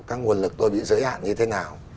các nguồn lực tôi bị giới hạn như thế nào